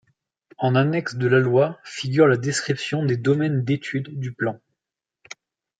En annexe de la loi figure la description des domaines d'étude du Plan.